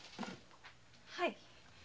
はい。